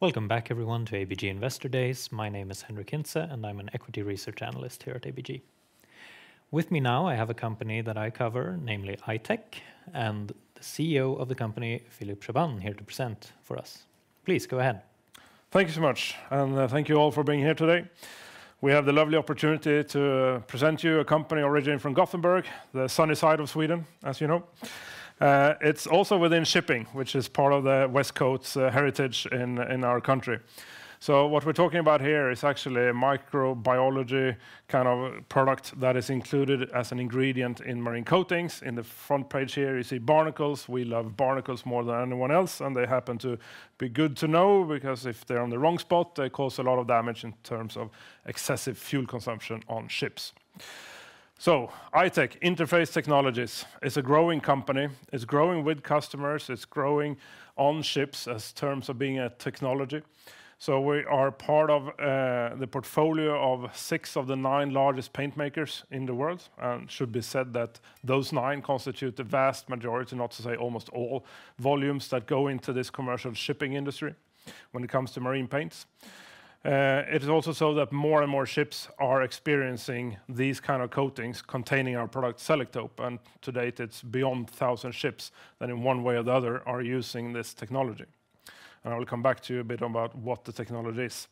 Welcome back, everyone, to ABG Investor Days. My name is Henric Hintze, and I'm an equity research analyst here at ABG. With me now, I have a company that I cover, namely I-Tech, and the CEO of the company, Philip Chaabane, here to present for us. Please, go ahead. Thank you so much, and thank you all for being here today. We have the lovely opportunity to present to you a company originally from Gothenburg, the sunny side of Sweden, as you know. It's also within shipping, which is part of the West Coast's heritage in our country. So what we're talking about here is actually a microbiology kind of product that is included as an ingredient in marine coatings. In the front page here, you see barnacles. We love barnacles more than anyone else, and they happen to be good to know because if they're on the wrong spot, they cause a lot of damage in terms of excessive fuel consumption on ships. So I-Tech AB is a growing company. It's growing with customers, it's growing on ships as terms of being a technology. So we are part of, the portfolio of six of the nine largest paint makers in the world, and it should be said that those nine constitute the vast majority, not to say almost all, volumes that go into this commercial shipping industry when it comes to marine paints. It is also so that more and more ships are experiencing these kind of coatings containing our product, Selektope, and to date, it's beyond 1,000 ships that in one way or the other, are using this technology. And I will come back to you a bit about what the technology is.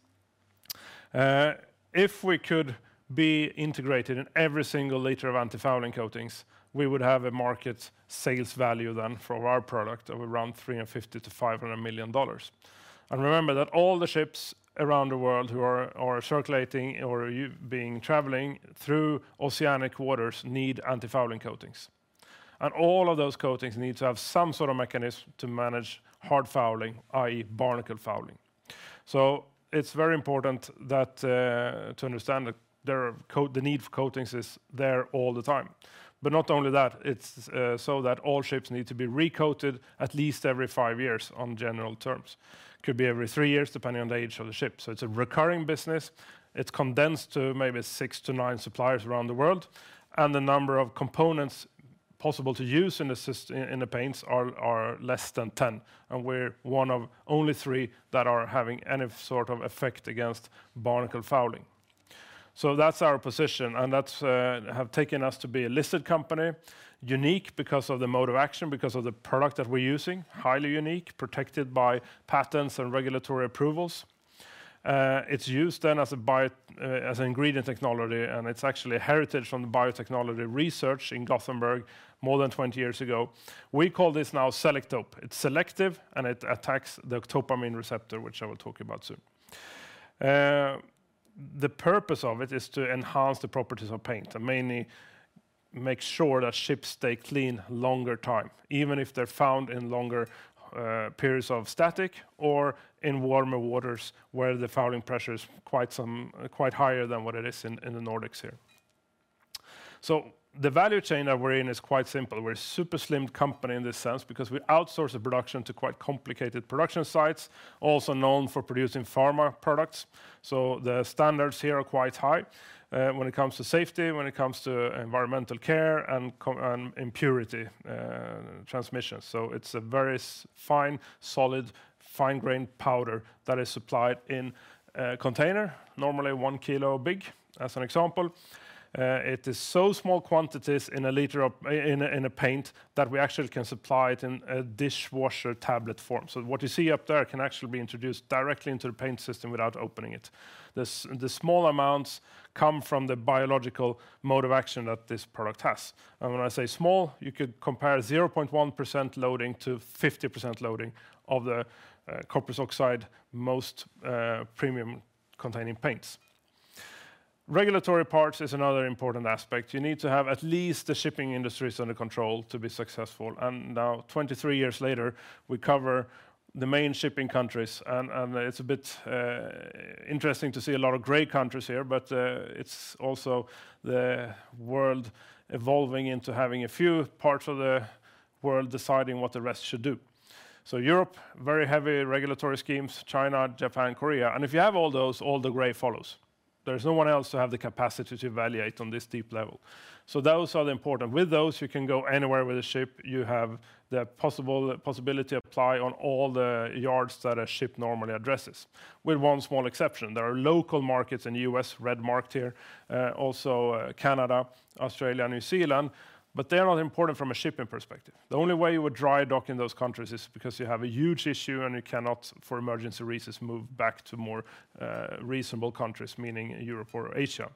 If we could be integrated in every single liter of antifouling coatings, we would have a market sales value then for our product of around $350 million-$500 million. Remember that all the ships around the world who are circulating or traveling through oceanic waters need antifouling coatings. All of those coatings need to have some sort of mechanism to manage hard fouling, i.e., barnacle fouling. So it's very important that to understand that the need for coatings is there all the time. Not only that, it's so that all ships need to be recoated at least every five years on general terms. Could be every three years, depending on the age of the ship. So it's a recurring business. It's condensed to maybe six to nine suppliers around the world, and the number of components possible to use in the paints are less than 10, and we're one of only three that are having any sort of effect against barnacle fouling. So that's our position, and that's have taken us to be a listed company, unique because of the mode of action, because of the product that we're using, highly unique, protected by patents and regulatory approvals. It's used then as a bio- as an ingredient technology, and it's actually a heritage from the biotechnology research in Gothenburg more than 20 years ago. We call this now Selektope. It's selective, and it attacks the octopamine receptor, which I will talk about soon. The purpose of it is to enhance the properties of paint and mainly make sure that ships stay clean longer time, even if they're found in longer periods of static or in warmer waters, where the fouling pressure is quite higher than what it is in the Nordics here. So the value chain that we're in is quite simple. We're a super slimmed company in this sense because we outsource the production to quite complicated production sites, also known for producing pharma products. So the standards here are quite high, when it comes to safety, when it comes to environmental care, and control and impurity transmission. So it's a very fine, solid, fine-grained powder that is supplied in a container, normally 1 kilo big, as an example. It is so small quantities in a liter of paint that we actually can supply it in a dishwasher tablet form. So what you see up there can actually be introduced directly into the paint system without opening it. The small amounts come from the biological mode of action that this product has. And when I say small, you could compare 0.1% loading to 50% loading of the copper oxide, most premium-containing paints. Regulatory parts is another important aspect. You need to have at least the shipping industries under control to be successful. And now, 23 years later, we cover the main shipping countries, and, and it's a bit interesting to see a lot of gray countries here, but it's also the world evolving into having a few parts of the world deciding what the rest should do. So Europe, very heavy regulatory schemes, China, Japan, Korea. And if you have all those, all the gray follows. There's no one else to have the capacity to evaluate on this deep level. So those are the important. With those, you can go anywhere with a ship. You have the possibility to apply on all the yards that a ship normally addresses, with one small exception. There are local markets in the U.S., red-marked here, also, Canada, Australia, New Zealand, but they are not important from a shipping perspective. The only way you would dry dock in those countries is because you have a huge issue, and you cannot, for emergency reasons, move back to more reasonable countries, meaning Europe or Asia.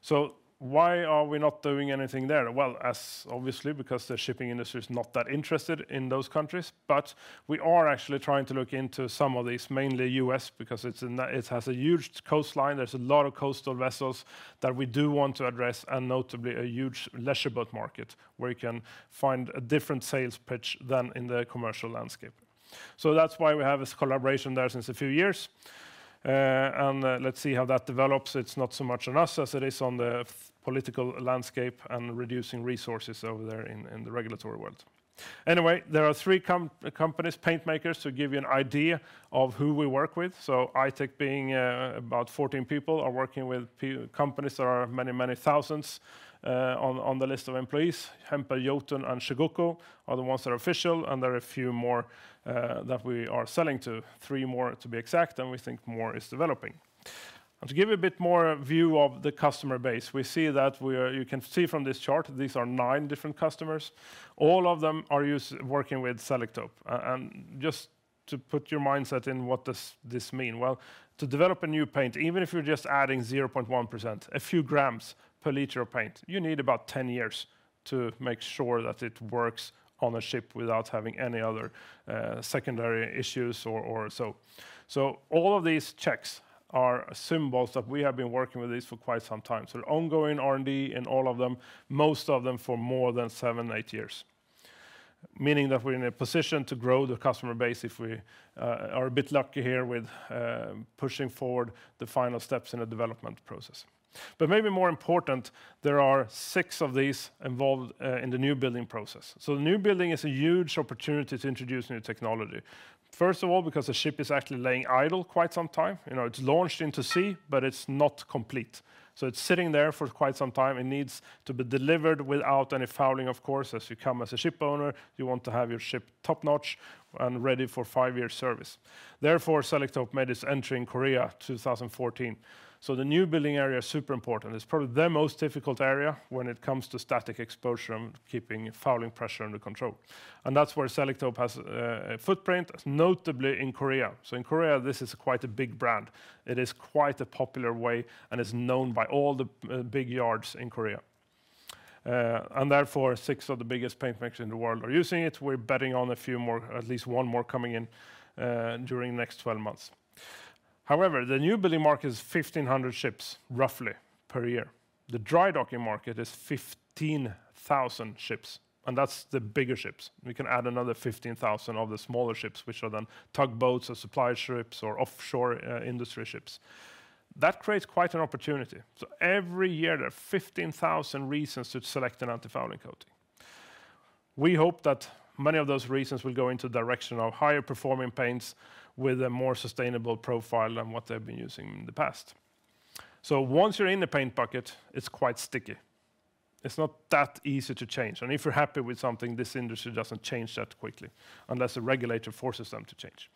So why are we not doing anything there? Well, as obviously, because the shipping industry is not that interested in those countries. But we are actually trying to look into some of these, mainly U.S., because it's an it has a huge coastline, there's a lot of coastal vessels that we do want to address, and notably, a huge leisure boat market, where you can find a different sales pitch than in the commercial landscape. So that's why we have this collaboration there since a few years. And let's see how that develops. It's not so much on us as it is on the political landscape and reducing resources over there in the regulatory world. Anyway, there are three companies, paint makers, to give you an idea of who we work with. So I-Tech being about 14 people, are working with companies that are many, many thousands on the list of employees. Hempel, Jotun, and Chugoku are the ones that are official, and there are a few more that we are selling to, three more to be exact, and we think more is developing. To give you a bit more view of the customer base, we see that you can see from this chart, these are nine different customers. All of them are working with Selektope. And just to put your mindset in, what does this mean? Well, to develop a new paint, even if you're just adding 0.1%, a few grams per liter of paint, you need about 10 years to make sure that it works on a ship without having any other secondary issues or so. So all of these checks are symbols that we have been working with this for quite some time. So ongoing R&D in all of them, most of them for more than seven to eight years. Meaning that we're in a position to grow the customer base if we are a bit lucky here with pushing forward the final steps in the development process. But maybe more important, there are six of these involved in the newbuilding process. So the newbuilding is a huge opportunity to introduce new technology. First of all, because the ship is actually laying idle quite some time. You know, it's launched into sea, but it's not complete. So it's sitting there for quite some time, and needs to be delivered without any fouling, of course, as you come as a ship owner, you want to have your ship top-notch and ready for five-year service. Therefore, Selektope made its entry in Korea, 2014. So the newbuilding area is super important. It's probably the most difficult area when it comes to static exposure and keeping fouling pressure under control. And that's where Selektope has a footprint, notably in Korea. So in Korea, this is quite a big brand. It is quite a popular way and is known by all the big yards in Korea. And therefore, six of the biggest paint makers in the world are using it. We're betting on a few more, at least one more coming in during the next 12 months. However, the newbuilding market is 1,500 ships, roughly per year. The dry docking market is 15,000 ships, and that's the bigger ships. We can add another 15,000 of the smaller ships, which are then tugboats or supplier ships or offshore industry ships. That creates quite an opportunity. So every year, there are 15,000 reasons to select an antifouling coating. We hope that many of those reasons will go into the direction of higher performing paints with a more sustainable profile than what they've been using in the past. So once you're in the paint bucket, it's quite sticky. It's not that easy to change. And if you're happy with something, this industry doesn't change that quickly, unless a regulator forces them to change.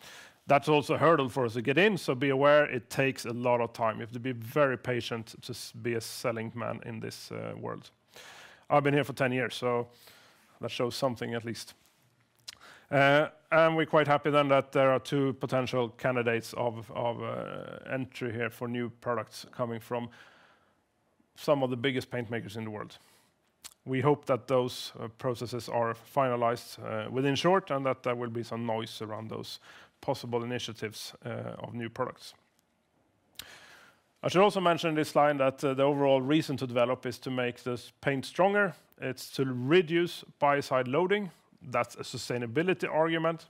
That's also a hurdle for us to get in, so be aware, it takes a lot of time. You have to be very patient to be a selling man in this world. I've been here for 10 years, so that shows something at least. And we're quite happy then that there are two potential candidates of entry here for new products coming from some of the biggest paint makers in the world. We hope that those processes are finalized within short, and that there will be some noise around those possible initiatives of new products. I should also mention in this line that the overall reason to develop is to make this paint stronger. It's to reduce biocide loading. That's a sustainability argument,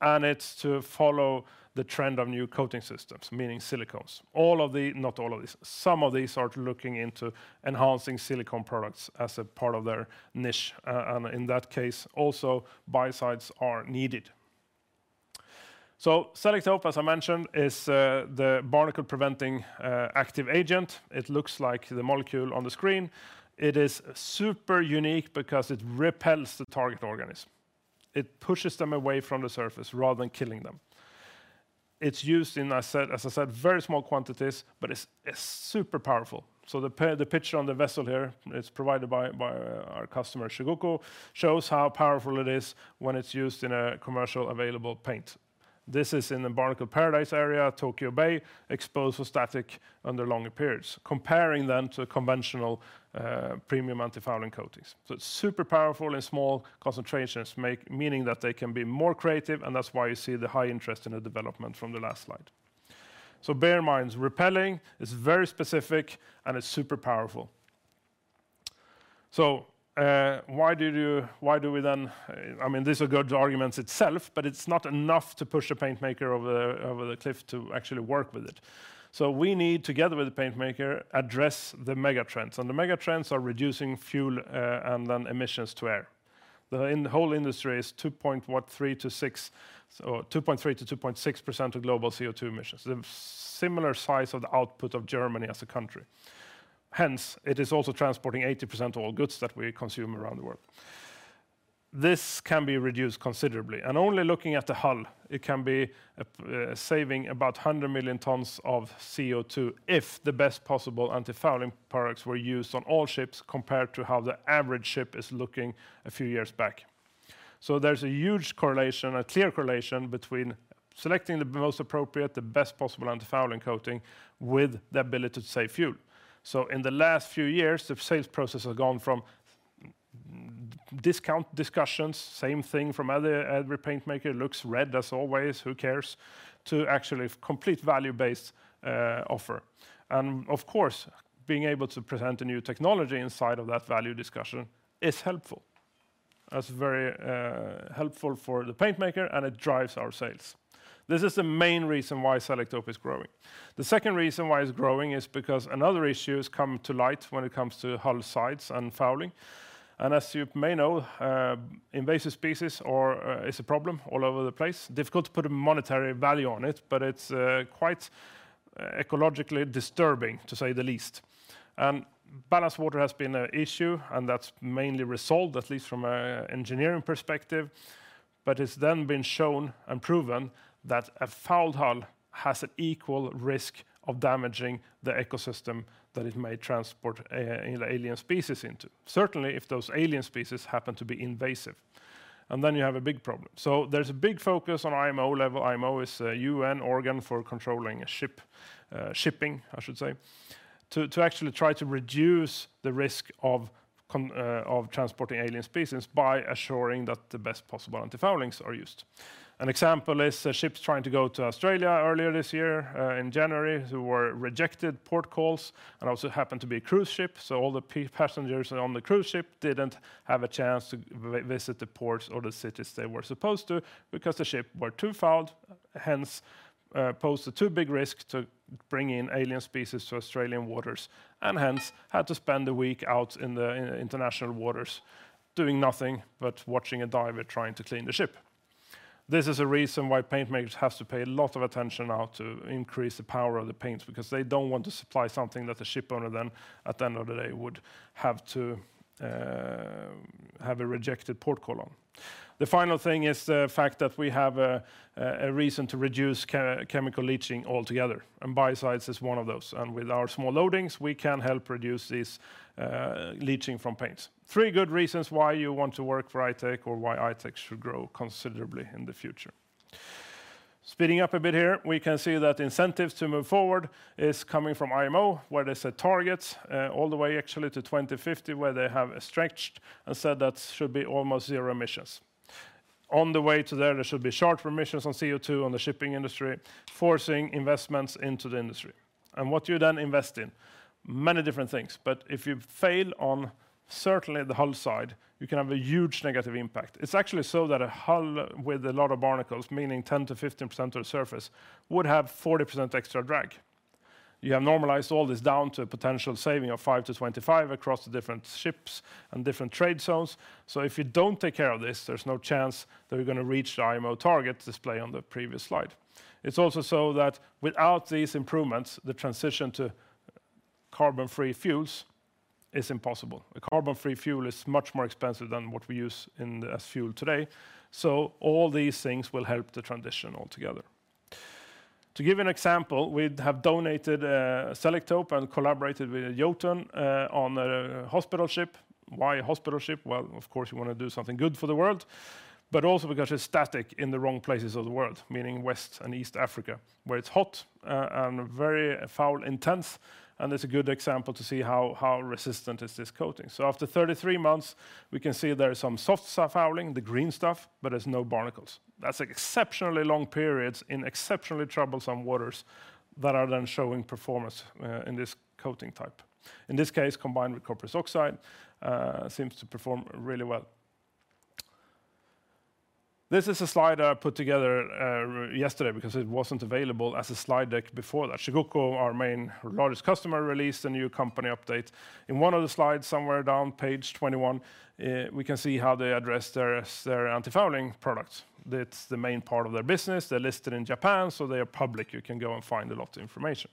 and it's to follow the trend of new coating systems, meaning siliconees. All of the - not all of these, some of these are looking into enhancing silicone products as a part of their niche, and in that case, also, biocides are needed. So Selektope, as I mentioned, is the barnacle-preventing active agent. It looks like the molecule on the screen. It is super unique because it repels the target organism. It pushes them away from the surface rather than killing them. It's used in, I said, as I said, very small quantities, but it's, it's super powerful. So the picture on the vessel here, it's provided by, by our customer, Chugoku, shows how powerful it is when it's used in a commercial available paint. This is in the barnacle paradise area, Tokyo Bay, exposed to static under longer periods, comparing them to conventional, premium antifouling coatings. So it's super powerful in small concentrations, meaning that they can be more creative, and that's why you see the high interest in the development from the last slide. So bear in mind, repelling is very specific and it's super powerful. So, why do you, why do we then—I mean, this will go to arguments itself, but it's not enough to push a paint maker over the, over the cliff to actually work with it. So we need, together with the paint maker, address the mega trends, and the mega trends are reducing fuel, and then emissions to air. The whole industry is 2%-6%, so 2.3%-2.6% of global CO₂ emissions. They have similar size of the output of Germany as a country. Hence, it is also transporting 80% of all goods that we consume around the world. This can be reduced considerably, and only looking at the hull, it can be saving about 100 million tons of CO₂, if the best possible antifouling products were used on all ships compared to how the average ship is looking a few years back. So there's a huge correlation, a clear correlation between selecting the most appropriate, the best possible antifouling coating with the ability to save fuel. So in the last few years, the sales process has gone from discount discussions, same thing from other every paint maker, "Looks red as always, who cares?" To actually complete value-based offer. And of course, being able to present a new technology inside of that value discussion is helpful. That's very helpful for the paint maker, and it drives our sales. This is the main reason why Selektope is growing. The second reason why it's growing is because another issue has come to light when it comes to hull sides and fouling. As you may know, invasive species or is a problem all over the place. Difficult to put a monetary value on it, but it's quite ecologically disturbing, to say the least. Ballast water has been an issue, and that's mainly resolved, at least from an engineering perspective. It's then been shown and proven that a fouled hull has an equal risk of damaging the ecosystem that it may transport an alien species into. Certainly, if those alien species happen to be invasive, and then you have a big problem. There's a big focus on IMO level. IMO is a UN organ for controlling ship, shipping, I should say, to actually try to reduce the risk of transporting alien species by assuring that the best possible antifoulings are used. An example is ships trying to go to Australia earlier this year in January, who were rejected port calls and also happened to be a cruise ship. So all the passengers on the cruise ship didn't have a chance to visit the ports or the cities they were supposed to because the ship were too fouled, hence posed a too big risk to bring in alien species to Australian waters, and hence had to spend a week out in the international waters, doing nothing but watching a diver trying to clean the ship. This is a reason why paint makers have to pay a lot of attention now to increase the power of the paints, because they don't want to supply something that the ship owner then, at the end of the day, would have to have a rejected port call on. The final thing is the fact that we have a reason to reduce chemical leaching altogether, and biocides is one of those. And with our small loadings, we can help reduce this leaching from paints. Three good reasons why you want to work for I-Tech or why I-Tech should grow considerably in the future. Speeding up a bit here, we can see that incentives to move forward is coming from IMO, where they set targets all the way actually to 2050, where they have stretched and said that should be almost zero emissions. On the way to there, there should be sharp emissions on CO₂ on the shipping industry, forcing investments into the industry. What you then invest in? Many different things, but if you fail on certainly the hull side, you can have a huge negative impact. It's actually so that a hull with a lot of barnacles, meaning 10%-15% of the surface, would have 40% extra drag. You have normalized all this down to a potential saving of 5-25 across the different ships and different trade zones. So if you don't take care of this, there's no chance that we're gonna reach the IMO targets displayed on the previous slide. It's also so that without these improvements, the transition to carbon-free fuels is impossible. A carbon-free fuel is much more expensive than what we use as fuel today, so all these things will help the transition altogether. To give an example, we have donated Selektope and collaborated with Jotun on a hospital ship. Why a hospital ship? Well, of course, we wanna do something good for the world, but also because it's static in the wrong places of the world, meaning West and East Africa, where it's hot and very foul intense, and it's a good example to see how resistant is this coating. So after 33 months, we can see there is some soft fouling, the green stuff, but there's no barnacles. That's exceptionally long periods in exceptionally troublesome waters that are then showing performance in this coating type. In this case, combined with copper oxide, seems to perform really well. This is a slide I put together yesterday because it wasn't available as a slide deck before that. Chugoku, our main, largest customer, released a new company update. In one of the slides, somewhere down page 21, we can see how they address their antifouling products. That's the main part of their business. They're listed in Japan, so they are public. You can go and find a lot of information.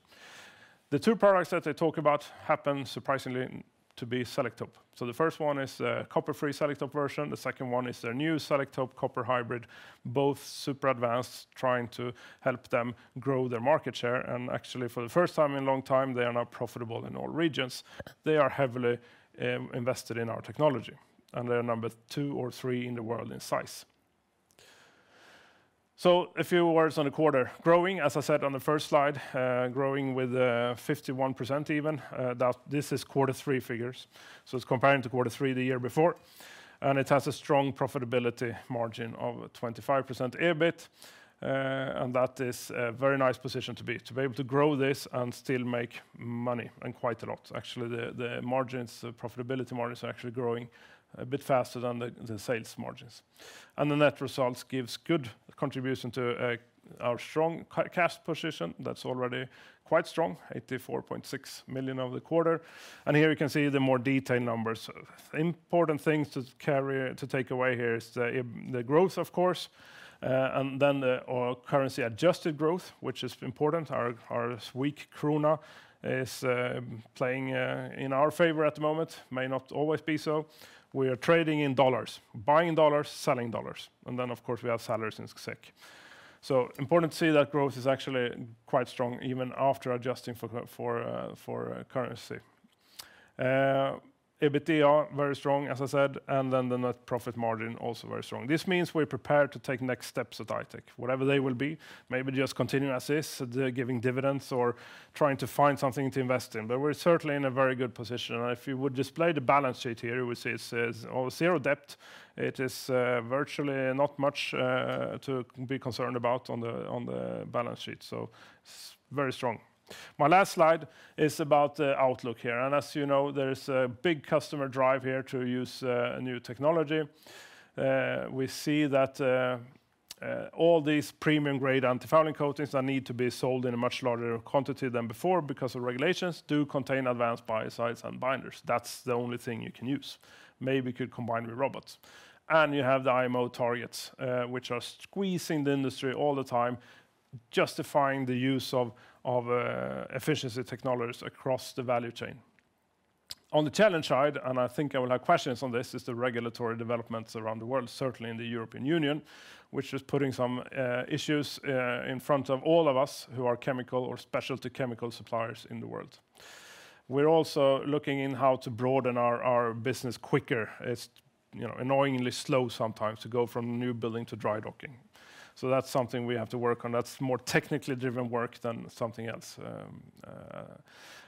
The two products that they talk about happen surprisingly to be Selektope. So the first one is a copper-free Selektope version. The second one is their new Selektope copper hybrid, both super advanced, trying to help them grow their market share. And actually, for the first time in a long time, they are now profitable in all regions. They are heavily invested in our technology, and they are number two or three in the world in size. So a few words on the quarter. Growing, as I said on the first slide, growing with 51% even. This is quarter three figures, so it's comparing to quarter three the year before, and it has a strong profitability margin of 25% EBIT. And that is a very nice position to be, to be able to grow this and still make money, and quite a lot. Actually, the profitability margins are actually growing a bit faster than the sales margins. And the net results gives good contribution to our strong cash position. That's already quite strong, 84.6 million over the quarter. And here you can see the more detailed numbers. Important things to take away here is the the growth, of course, and then the, our currency-adjusted growth, which is important. Our, our weak krona is, playing, in our favor at the moment, may not always be so. We are trading in dollars, buying dollars, selling dollars, and then, of course, we have sellers in SEK. So important to see that growth is actually quite strong, even after adjusting for currency. EBITDA, very strong, as I said, and then the net profit margin, also very strong. This means we're prepared to take next steps at I-Tech, whatever they will be. Maybe just continue as is, giving dividends or trying to find something to invest in. But we're certainly in a very good position. And if you would display the balance sheet here, you would see it says, oh, zero debt. It is, virtually not much, to be concerned about on the, on the balance sheet. So it's very strong. My last slide is about the outlook here. And as you know, there is a big customer drive here to use, a new technology. We see that, all these premium-grade antifouling coatings that need to be sold in a much larger quantity than before, because the regulations do contain advanced biocides and binders. That's the only thing you can use. Maybe you could combine with robots. You have the IMO targets, which are squeezing the industry all the time, justifying the use of efficiency technologies across the value chain. On the challenge side, and I think I will have questions on this, is the regulatory developments around the world, certainly in the European Union, which is putting some issues in front of all of us who are chemical or specialty chemical suppliers in the world. We're also looking in how to broaden our business quicker. It's, you know, annoyingly slow sometimes to go from newbuilding to dry docking. So that's something we have to work on. That's more technically driven work than something else.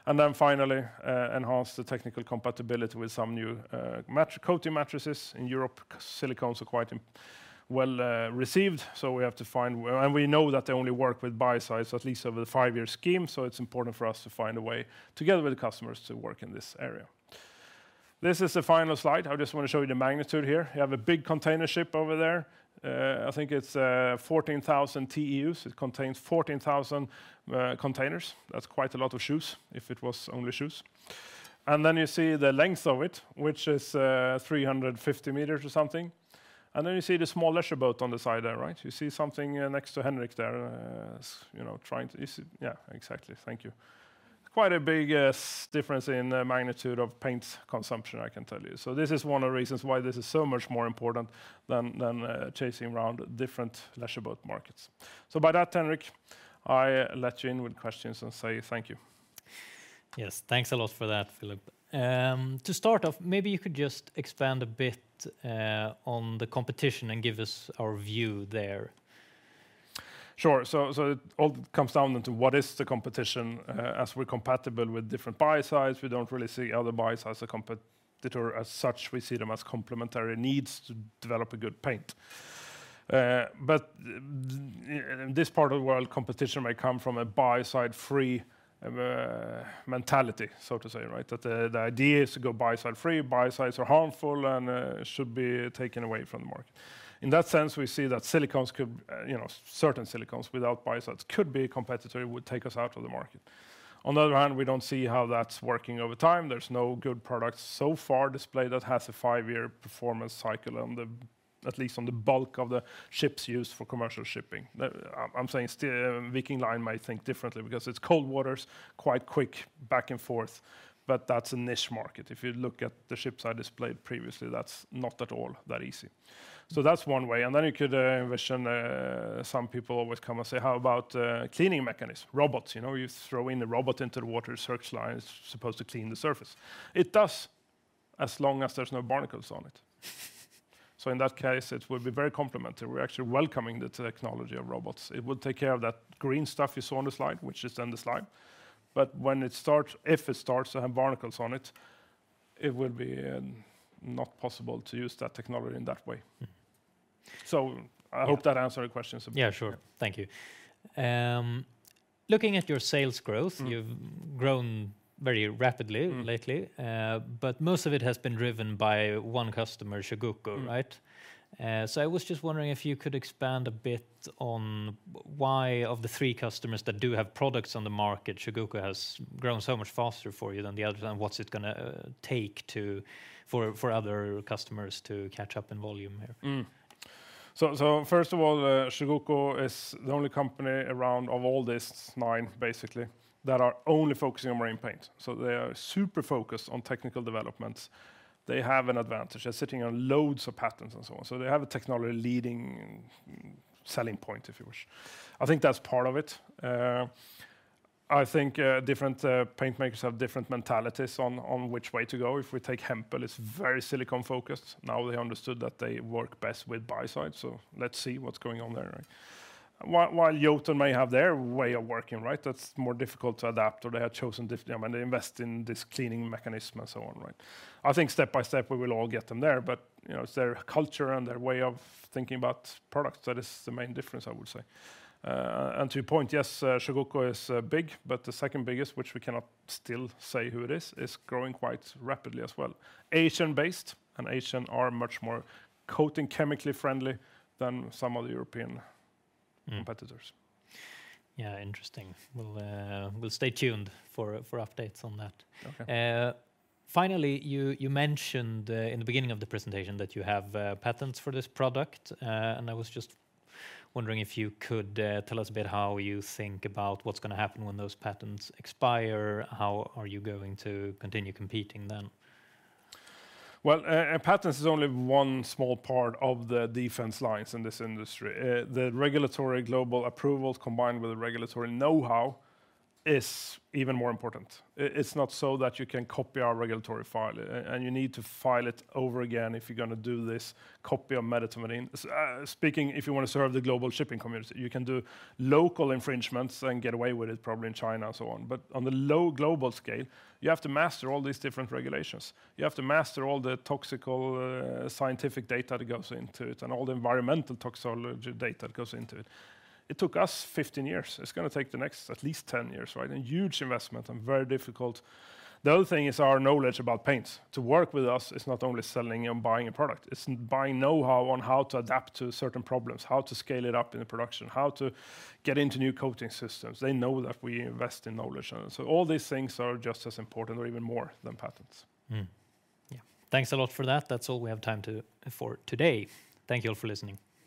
And then finally, enhance the technical compatibility with some new coating matrices. In Europe, siliconees are quite well received, so we have to find where and we know that they only work with biocides at least over the five-year scheme, so it's important for us to find a way, together with the customers, to work in this area. This is the final slide. I just wanna show you the magnitude here. You have a big container ship over there. I think it's 14,000 TEUs. It contains 14,000 containers. That's quite a lot of shoes, if it was only shoes. And then you see the length of it, which is 350 meters or something. And then you see the small leisure boat on the side there, right? You see something next to Henric there, you know, trying to... Is it? Yeah, exactly. Thank you. Quite a big difference in the magnitude of paint consumption, I can tell you. This is one of the reasons why this is so much more important than chasing around different leisure boat markets. With that, Henric, I let you in with questions and say thank you. Yes, thanks a lot for that, Philip. To start off, maybe you could just expand a bit on the competition and give us a review there. Sure. So it all comes down into what is the competition? As we're compatible with different biocides, we don't really see other biocides as competitor as such. We see them as complementary needs to develop a good paint. But in this part of the world, competition may come from a biocide-free mentality, so to say, right? That the idea is to go biocide-free. Biocides are harmful and should be taken away from the market. In that sense, we see that siliconees could, you know, certain siliconees without biocides could be a competitor, would take us out of the market. On the other hand, we don't see how that's working over time. There's no good products so far displayed that has a five-year performance cycle on the, at least on the bulk of the ships used for commercial shipping. I'm saying still, Viking Line might think differently because it's cold waters, quite quick, back and forth, but that's a niche market. If you look at the ships I displayed previously, that's not at all that easy. So that's one way. And then you could envision some people always come and say: "How about cleaning mechanism?" Robots, you know, you throw in a robot into the water, search line, it's supposed to clean the surface. It does, as long as there's no barnacles on it. So in that case, it will be very complementary. We're actually welcoming the technology of robots. It would take care of that green stuff you saw on the slide, which is on the slide. But when it starts, if it starts to have barnacles on it, it would be not possible to use that technology in that way. Mm-hmm. I hope that answered your questions. Yeah, sure. Thank you. Looking at your sales growth- Mm. You've grown very rapidly. Mm -lately, but most of it has been driven by one customer, Chugoku, right? Mm. I was just wondering if you could expand a bit on why, of the three customers that do have products on the market, Chugoku has grown so much faster for you than the others, and what's it gonna take to, for other customers to catch up in volume here? So, first of all, Chugoku is the only company around, of all these nine, basically, that are only focusing on marine paint. So they are super focused on technical developments. They have an advantage. They're sitting on loads of patents and so on. So they have a technology-leading selling point, if you wish. I think that's part of it. I think different paint makers have different mentalities on which way to go. If we take Hempel, it's very silicones focused. Now, they understood that they work best with biocide, so let's see what's going on there, right? While Jotun may have their way of working, right? That's more difficult to adapt, or they have chosen different-I mean, they invest in this cleaning mechanism and so on, right? I think step by step, we will all get them there, but, you know, it's their culture and their way of thinking about products that is the main difference, I would say. And to your point, yes, Chugoku is big, but the second biggest, which we cannot still say who it is, is growing quite rapidly as well. Asian-based, and Asians are much more coating chemically friendly than some of the European- Mm -competitors. Yeah, interesting. We'll stay tuned for updates on that. Okay. Finally, you mentioned in the beginning of the presentation that you have patents for this product, and I was just wondering if you could tell us a bit how you think about what's gonna happen when those patents expire. How are you going to continue competing then? Well, patents is only one small part of the defense lines in this industry. The regulatory global approvals, combined with the regulatory know-how, is even more important. It, it's not so that you can copy our regulatory file, and you need to file it over again if you're gonna do this copy of medetomidine. Speaking, if you wanna serve the global shipping community, you can do local infringements and get away with it, probably in China and so on. But on the low global scale, you have to master all these different regulations. You have to master all the toxicological scientific data that goes into it, and all the environmental toxicology data that goes into it. It took us 15 years. It's gonna take the next, at least 10 years, right? A huge investment and very difficult. The other thing is our knowledge about paints. To work with us, it's not only selling and buying a product, it's buying know-how on how to adapt to certain problems, how to scale it up in the production, how to get into new coating systems. They know that we invest in knowledge. So all these things are just as important or even more than patents. Mm-hmm. Yeah. Thanks a lot for that. That's all we have time to, for today. Thank you all for listening.